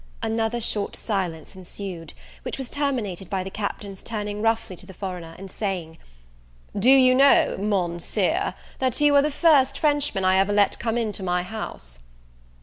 Another short silence ensued, which was terminated by the Captain's turning roughly to the foreigner, and saying, "Do you know, Monseer, that you are the first Frenchman I ever let come into my house?"